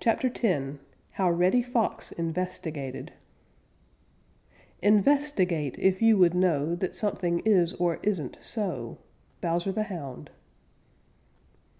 CHAPTER X HOW REDDY FOX INVESTIGATED In vest i gate if you would know That something is or isn't so. _Bowser the Hound.